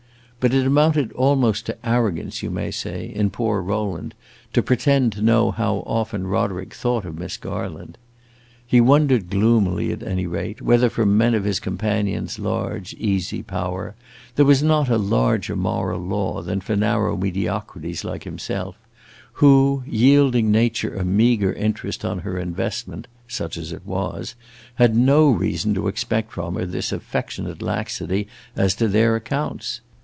But it amounted almost to arrogance, you may say, in poor Rowland to pretend to know how often Roderick thought of Miss Garland. He wondered gloomily, at any rate, whether for men of his companion's large, easy power, there was not a larger moral law than for narrow mediocrities like himself, who, yielding Nature a meagre interest on her investment (such as it was), had no reason to expect from her this affectionate laxity as to their accounts.